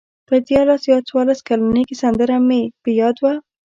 په دیارلس یا څوارلس کلنۍ کې سندره مې په یاد وه.